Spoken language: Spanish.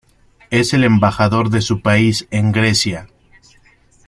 Es el embajador de su país en Grecia.